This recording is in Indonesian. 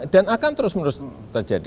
dan akan terus menerus terjadi